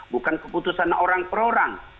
bukan keputusan orang per orang